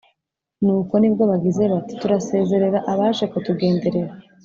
nuko ni bwo bagize bati turasezerera abaje kutugenderera,